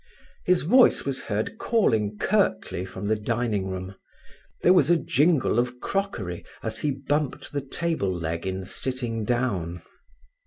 His voice was heard calling curtly from the dining room. There was a jingle of crockery as he bumped the table leg in sitting down.